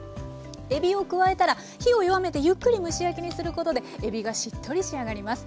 えびを加えたら火を弱めてゆっくり蒸し焼きにすることでえびがしっとり仕上がります。